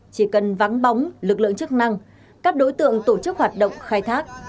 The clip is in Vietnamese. chỉ cần vắng bóng lực lượng chức năng các đối tượng tổ chức hoạt động khai thác